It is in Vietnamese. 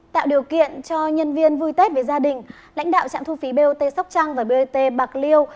tạo điều kiện cho nhân viên vui tết với gia đình lãnh đạo trạm thu phí bot sóc trăng và bot bạc liêu